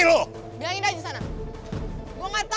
gue gak takut sama namanya ray